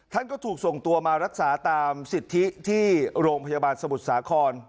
ท่านก็ถูกส่งตัวมารักษาตามสิทธิที่โรงพยาบาลสมุทรสาคร